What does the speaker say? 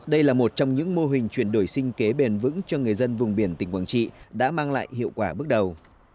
đây là một trong những mô hình chuyển đổi sinh kế bền vững cho người dân vùng biển tỉnh quảng trị đã mang lại hiệu quả bước đầu